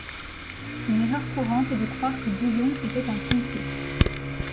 Une erreur courante est de croire que Bouillon était un comté.